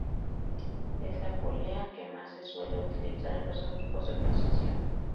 Es la polea que más se suele utilizar en los arcos de precisión.